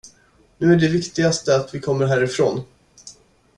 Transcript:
Nu är det viktigaste att vi kommer härifrån.